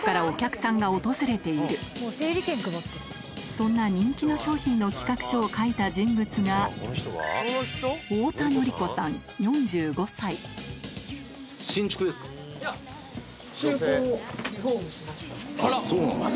そんな人気の商品の企画書を書いた人物がそうなんですね。